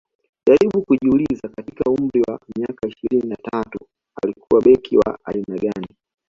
jaribu kujiuliza katika umri wa miaka ishirini na tatu alikuwa beki wa aina gani